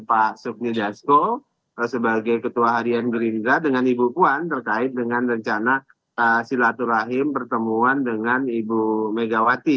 pak sukni dasko sebagai ketua harian gerindra dengan ibu puan terkait dengan rencana silaturahim pertemuan dengan ibu megawati